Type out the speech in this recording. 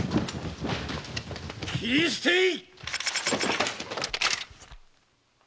斬り捨てい！